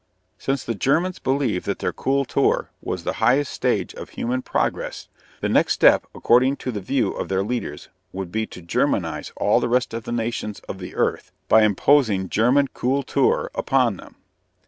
Since the Germans believed that their Kultur was the highest stage of human progress, the next step, according to the view of their leaders, would be to Germanize all the rest of the nations of the earth by imposing German Kultur upon them.